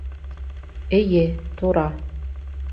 Эйе, тура